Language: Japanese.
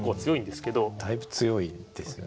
だいぶ強いですよね。